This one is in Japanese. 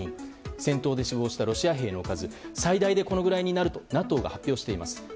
戦闘で死亡したロシア兵の数が最大でこのくらいになるとＮＡＴＯが発表しています。